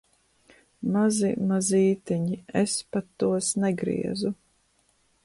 Mazi, mazītiņi, es pat tos negriezu.